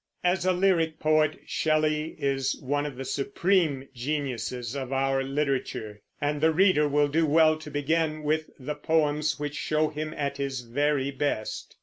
As a lyric poet, Shelley is one of the supreme geniuses of our literature; and the reader will do well to begin with the poems which show him at his very best.